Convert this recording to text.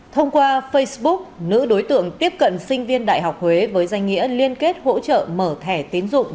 thông qua facebook nữ đối tượng tiếp cận sinh viên đại học huế với danh nghĩa liên kết hỗ trợ mở thẻ tiến dụng